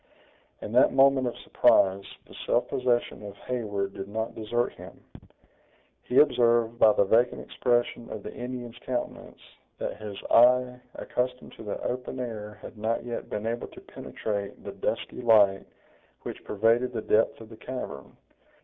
In that moment of surprise, the self possession of Heyward did not desert him. He observed by the vacant expression of the Indian's countenance, that his eye, accustomed to the open air had not yet been able to penetrate the dusky light which pervaded the depth of the cavern.